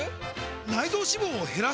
内臓脂肪を減らす！？